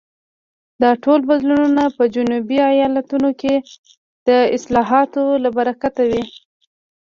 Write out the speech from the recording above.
دا ټول بدلونونه په جنوبي ایالتونو کې د اصلاحاتو له برکته وو.